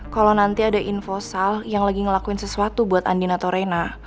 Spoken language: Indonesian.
kalo nanti ada info sal yang lagi ngelakuin sesuatu buat andin atau rena